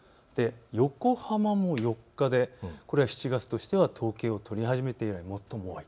横浜も４日でこれは７月としては統計を取り始めて以来、最も多い。